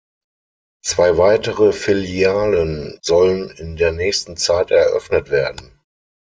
Zwei weitere Filialen sollen in der nächsten Zeit eröffnet werden.